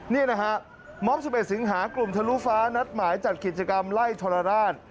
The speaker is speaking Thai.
นี่นะฮะมอบ๑๑สิงหากลุ่มทะลุฟ้านัดหมายจัดกิจกรรมไล่ทรราช